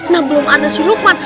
nah belum ada si lukman